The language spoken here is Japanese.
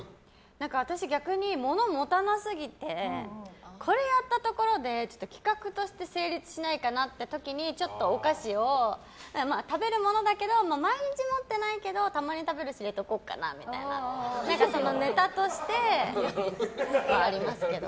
私、逆に物を持たな過ぎてこれやったところで企画として成立しないかなって時にちょっとお菓子を食べるものだけど毎日持ってないけどたまに食べるし入れとこうかなみたいなネタとしてはありますけど。